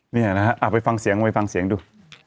เนี่ยนะฮะเอาไปฟังเสียงไปฟังเสียงดู